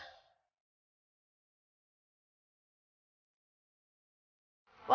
tenangkan pikiran kamu ya